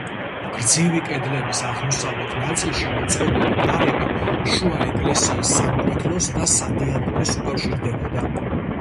გრძივი კედლების აღმოსავლეთ ნაწილში მოწყობილი კარებით შუა ეკლესიის სამკვეთლოს და სადიაკვნეს უკავშირდებოდა.